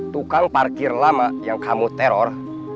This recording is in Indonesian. tukang parkir lama yang kamu teror